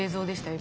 今。